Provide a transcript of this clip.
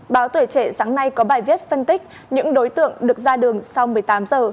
báo tuổi trẻ sáng nay có bài viết phân tích những đối tượng được ra đường sau một mươi tám giờ